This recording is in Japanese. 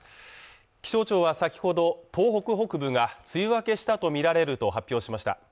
気象庁は先ほど東北北部が梅雨明けしたとみられると発表しました